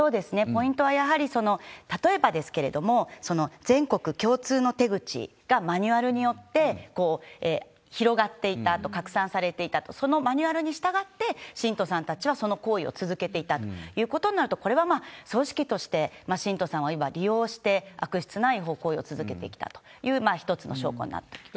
ポイントはやはり、例えばですけれども、全国共通の手口がマニュアルによって広がっていたと、拡散されていたと、そのマニュアルに従って、信徒さんたちはその行為を続けていたということになると、これは組織として信徒さんをいわば利用して、悪質な違法行為を続けてきたという、一つの証拠になると。